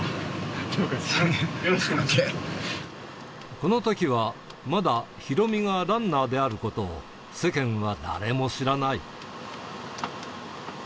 このときはまだヒロミがランナーであることを世間は誰も知らない。